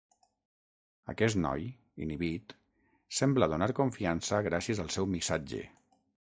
Aquest noi, inhibit, sembla donar confiança gràcies al seu missatge.